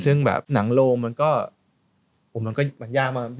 ซึ่งแบบหนังโลงมันก็มันยากมาก